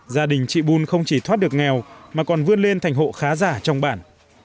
gia đình chị bun không chỉ thoát được nghèo mà còn vươn lên thành hộ khá giả trong bản